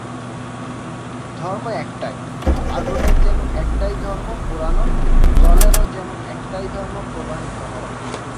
ধর্ম একটাই, আগুনের যেমন একটাই ধর্ম, পোড়ানো, জলের যেমন একটাই ধর্ম, প্রবাহিত হওয়া।